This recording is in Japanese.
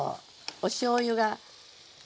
おしょうゆがみそ。